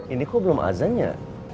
ini kok belum azannya